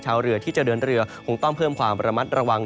ชาวเรือที่จะเดินเรือคงต้องเพิ่มความระมัดระวัง